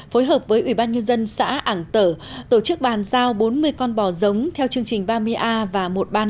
phối hợp với ủy ban nhân dân xã ảng tở tổ chức bàn giao bốn mươi con bò giống theo chương trình ba mươi a và một trăm ba mươi